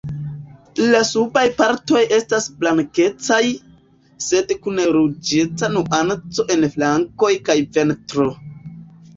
La subaj partoj estas blankecaj, sed kun ruĝeca nuanco en flankoj kaj ventro.